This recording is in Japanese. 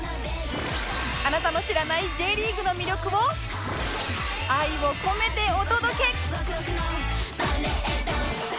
あなたの知らない Ｊ リーグの魅力を愛を込めてお届け！